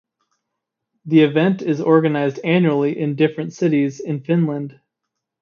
The event is organised annually in different cities in Finland.